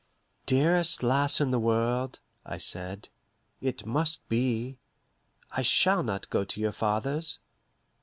"Dearest lass in the world," I said, "it must be. I shall not go to your father's.